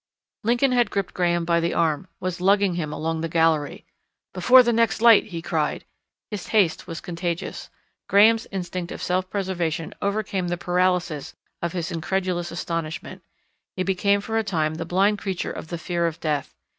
Lincoln had gripped Graham by the arm, was lugging him along the gallery. "Before the next light!" he cried. His haste was contagious. Graham's instinct of self preservation overcame the paralysis of his incredulous astonishment. He became for a time the blind creature of the fear of death.